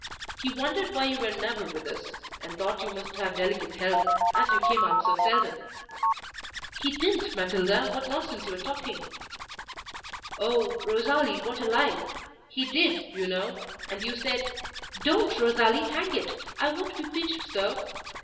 "He wondered why you were never with us, and thought you must have delicate health, as you came out so seldom." "He didn't Matilda—what nonsense you're talking!" "Oh, Rosalie, what a lie! He did, you know; and you said—Don't, Rosalie—hang it!—I won't be pinched so!